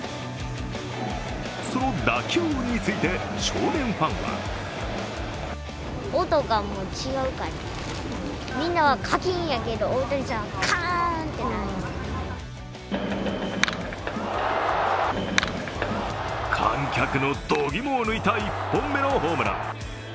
その打球音について少年ファンは観客のどぎもを抜いた１本目のホームラン。